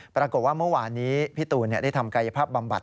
ปรากฏว่าเมื่อวานนี้พี่ตูนได้ทำกายภาพบำบัด